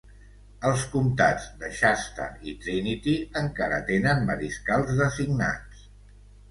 Els comtats de Shasta i Trinity encara tenen mariscals designats.